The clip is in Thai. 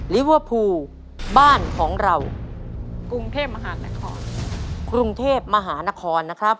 หนูเกิดจังหวัด